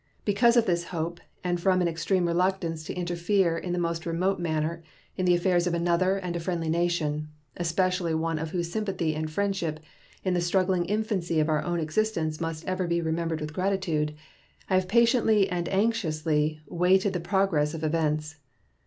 Because of this hope, and from an extreme reluctance to interfere in the most remote manner in the affairs of another and a friendly nation, especially of one whose sympathy and friendship in the struggling infancy of our own existence must ever be remembered with gratitude, I have patiently and anxiously waited the progress of events.